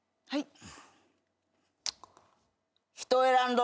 はい。